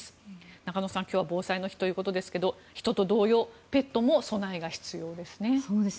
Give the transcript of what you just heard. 中野さん、今日は防災の日ということですけど人と同様ペットも備えが必要ですね。